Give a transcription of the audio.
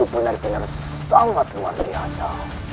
benar benar sangat luar biasa